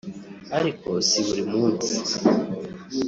ariko si buri munsi